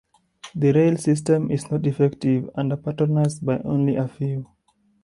The rail system is not effective and patronised by only a few.